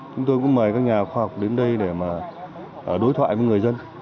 chúng tôi cũng mời các nhà khoa học đến đây để mà đối thoại với người dân